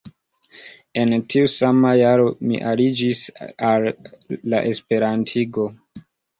En tiu sama jaro, mi aliĝis al la esperantigo.